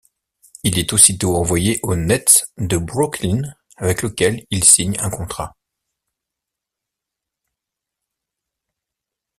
Il est aussitôt envoyé au Nets de Brooklyn avec lesquels il signe un contrat.